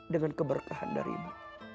dengan keberkahan darimu